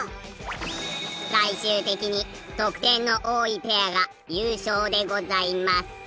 最終的に得点の多いペアが優勝でございます。